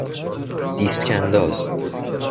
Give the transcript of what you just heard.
دیسک انداز